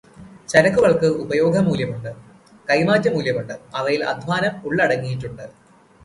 ചരക്കുകൾക്ക് ഉപയോഗമൂല്യമുണ്ട്, കൈമാറ്റമൂല്യമുണ്ട്, അവയിൽ അദ്ധ്വാനം ഉള്ളടങ്ങിയിട്ടുണ്ട്.